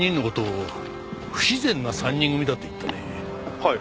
はい。